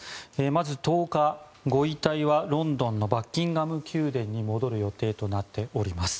まず１０日、ご遺体はロンドンのバッキンガム宮殿に戻る予定となっております。